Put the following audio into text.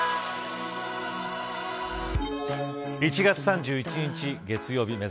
１月３１日月曜日